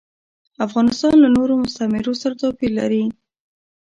افغانستان له نورو مستعمرو سره توپیر لري.